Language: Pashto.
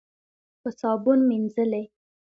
په صابون مینځلې.